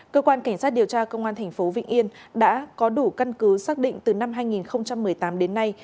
cơ quan cảnh sát điều tra công an tp vịnh yên đã có đủ căn cứ xác định từ năm hai nghìn một mươi tám đến nay